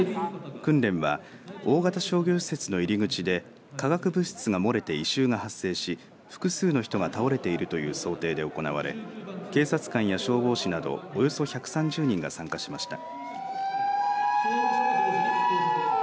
訓練は大型商業施設の入り口で科学部質が漏れて異臭が発生し複数の人が倒れているという想定で行われ警察官や消防士など、およそ１３０人が参加しました。